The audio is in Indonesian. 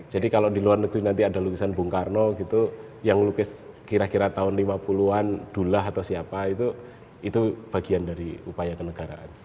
jadi kalau di luar negeri nanti ada lukisan bung karno gitu yang lukis kira kira tahun lima puluh an dulah atau siapa itu itu bagian dari upaya kenegaraan